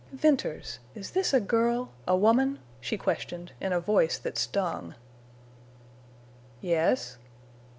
"Venters! is this a girl—a woman?" she questioned, in a voice that stung. "Yes."